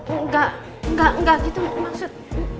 enggak enggak gitu maksud